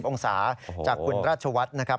องศาจากคุณราชวัฒน์นะครับ